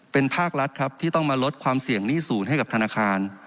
เป็นภาครัฐครับที่ต้องมาลดความเสี่ยงหนี้ศูนย์ให้กับธนาคาร